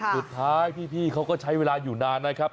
สุดท้ายพี่เขาก็ใช้เวลาอยู่นานนะครับ